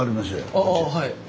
あああはい。